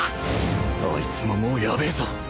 あいつももうヤベえぞ